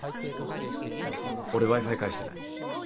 俺Ｗｉ−Ｆｉ返してない。